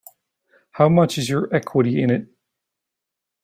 How much is your equity in it?